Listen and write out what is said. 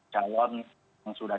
calon yang sudah